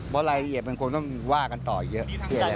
เพราะรายละเอียดมันคงต้องว่ากันต่ออีกเยอะ